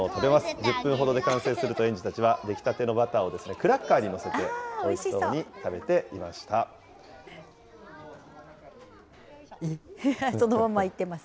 １０分ほどで完成すると、園児たちは出来たてのバターをクラッカーに載せて、そのままいってます。